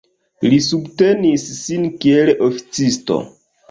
Li subtenis sin kiel oficisto.